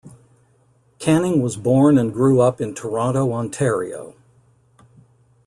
Canning was born and grew up in Toronto, Ontario.